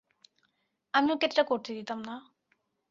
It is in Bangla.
আমি ওকে এটা করতে দিতাম না।